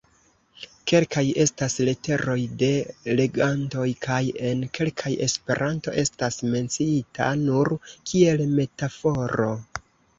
Kelkaj estas leteroj de legantoj, kaj en kelkaj Esperanto estas menciita nur kiel metaforo.